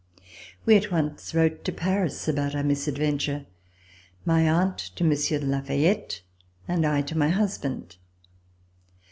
We at once wrote to Paris about our misadventure, my aunt to Monsieur de La Fayette and I to my husband.